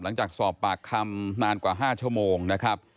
หลังจากสอบปากคำนานกว่า๕ชั่วโมงนะครับ